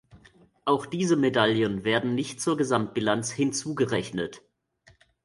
Auch diese Medaillen werden nicht zur Gesamtbilanz hinzugerechnet.